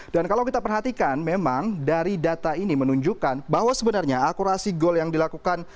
dan kalau kita perhatikan memang dari data ini menunjukkan bahwa sebenarnya akurasi gol yang dilakukan